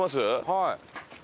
はい。